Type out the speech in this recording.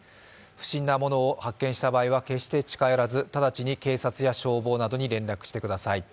不審な物を発見した場合は、決して近寄らず直ちに警察や消防などに連絡してください。